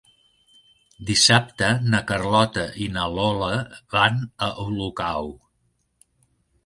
Dissabte na Carlota i na Lola van a Olocau.